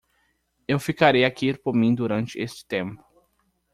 Eu ficarei aqui por mim durante este tempo.